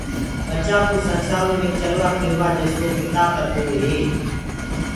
ٻچآ ڪو سنسآرو مي چلوآ ڦروآ جيسو پتآ ڪردوئي